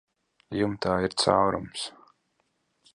Jumtā ir caurums.